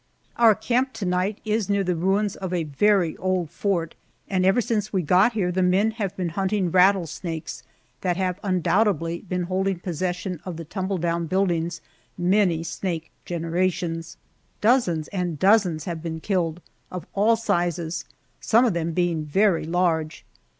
OUR camp to night is near the ruins of a very old fort, and ever since we got here, the men have been hunting rattlesnakes that have undoubtedly been holding possession of the tumble down buildings, many snake generations. Dozens and dozens have been killed, of all sizes, some of them being very large.